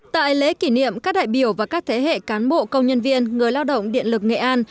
tại lễ kỷ niệm các đại biểu và các thế hệ cán bộ công nhân viên người lao động điện lực nghệ an